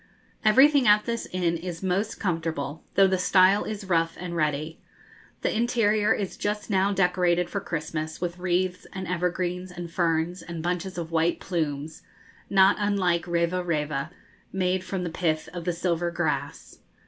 Everything at this inn is most comfortable, though the style is rough and ready. The interior is just now decorated for Christmas, with wreaths, and evergreens, and ferns, and bunches of white plumes, not unlike reva reva, made from the pith of the silver grass.